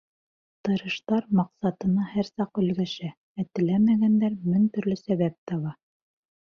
Тырыштар маҡсатына һәр саҡ өлгәшә, ә теләмәгәндәр мең төрлө сәбәп таба.